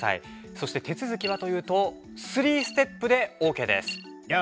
そして、手続きはというと３ステップでＯＫです。